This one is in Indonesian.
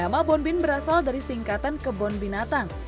nama bonbin berasal dari singkatan kebun binatang